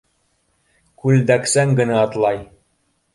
Күл дәксән генә атлай